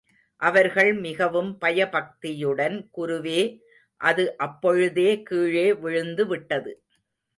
அவர்கள் மிகவும் பயபக்தியுடன் குருவே, அது அப்பொழுதே கீழே விழுந்துவிட்டது.